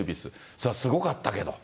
そりゃすごかったけど。